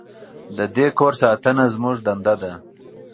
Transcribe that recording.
د دې کور ساتنه زموږ دنده ده.